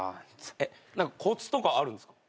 えっ何かコツとかあるんですか？